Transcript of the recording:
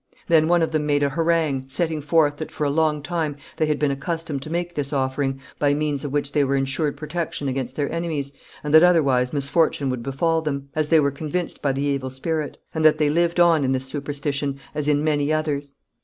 Then one of them made a harangue, setting forth that for a long time they had been accustomed to make this offering, by means of which they were insured protection against their enemies, and that otherwise misfortune would befall them, as they were convinced by the evil spirit; and that they lived on in this superstition, as in many others.